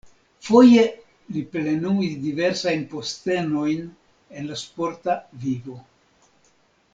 Foje li plenumis diversajn postenojn en la sporta vivo.